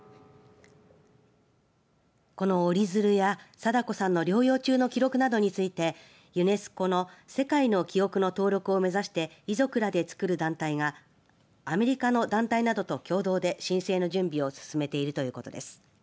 この折り鶴や禎子さんの療養中の記録などについてユネスコの世界の記憶の登録を目指して遺族らでつくる団体がアメリカの団体などと共同で申請の準備を進めているということです。